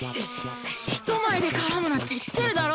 人前で絡むなって言ってるだろ！